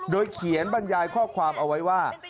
โดยเขียนบรรยายข้อความเอาไว้ว่า